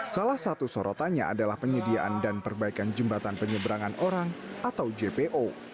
salah satu sorotannya adalah penyediaan dan perbaikan jembatan penyeberangan orang atau jpo